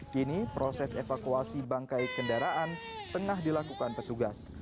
kini proses evakuasi bangkai kendaraan tengah dilakukan petugas